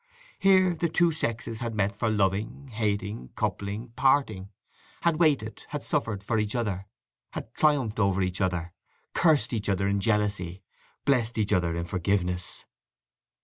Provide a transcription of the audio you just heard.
Here the two sexes had met for loving, hating, coupling, parting; had waited, had suffered, for each other; had triumphed over each other; cursed each other in jealousy, blessed each other in forgiveness.